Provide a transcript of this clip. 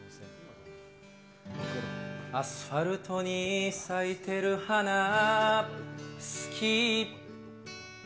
アスファルトに咲いてる花、好き。